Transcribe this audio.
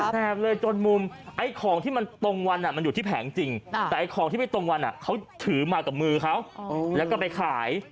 ใช้เชื่อไหมพี่กับทำอย่างเนี่ยกับคนอื่นไม่ได้นะค่ะ